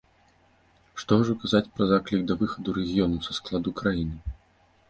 Што ўжо казаць пра заклік да выхаду рэгіёну са складу краіны.